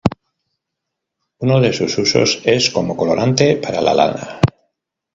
Uno de sus usos es como colorante para la lana.